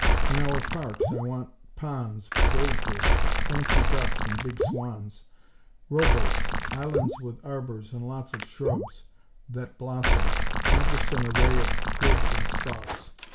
In our parks I want ponds with gold fish, fancy ducks and big swans; row boats, islands with arbors, and lots of shrubs that blossom; not just an array of twigs and stalks.